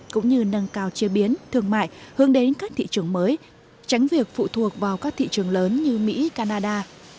cũng như nâng cao chế biến thương mại hướng đến các thị trường mới tránh việc phụ thuộc vào các thị trường lớn như mỹ canada